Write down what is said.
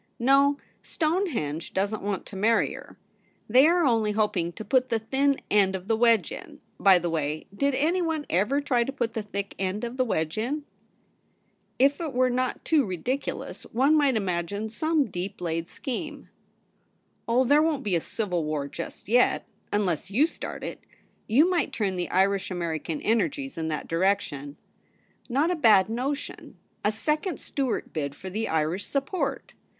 No, Stonehenge doesn't want to marry her. They are only hoping to put the thin end of the wedge in — by the way, did anyone ever try to put the thick end of the wedge in ?' VOL. I. 10 145 THE REBEL ROSE. ' If it were not too ridiculous, one might imagine some deep laid scheme.' ' Oh, there won't be a civil war just yet, unless you start it — you might turn the Irish American energies in that direction. Not a bad notion ! A second Stuart hid for the Irish support!